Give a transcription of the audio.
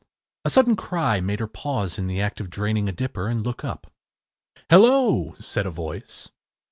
A sudden cry made her pause in the act of draining a dipper and look up. “Hello,” said a voice.